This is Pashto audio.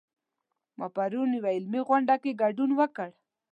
ما پرون یوه علمي غونډه کې ګډون وکړ